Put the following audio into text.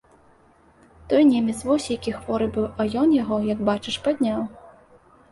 Той немец вось які хворы быў, а ён яго, як бачыш, падняў.